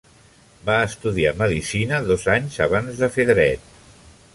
Va estudiar medicina dos anys abans de fer dret.